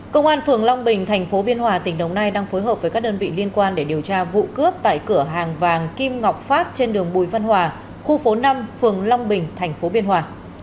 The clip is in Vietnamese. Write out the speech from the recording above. công an phường long bình thành phố biên hòa tỉnh đồng nai đang phối hợp với các đơn vị liên quan để điều tra vụ cướp tại cửa hàng vàng kim ngọc phát trên đường bùi văn hòa khu phố năm phường long bình tp biên hòa